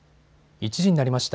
１時になりました。